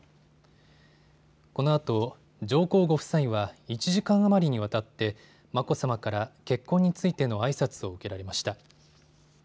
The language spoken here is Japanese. このあと上皇ご夫妻は１時間余りにわたって眞子さまから結婚についてのあいさつを受けられました。